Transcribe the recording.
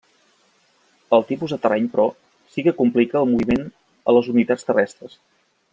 El tipus de terreny, però, sí que complica el moviment a les unitats terrestres.